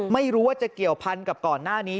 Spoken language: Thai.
ไม่รู้ว่าจะเกี่ยวพันกับก่อนหน้านี้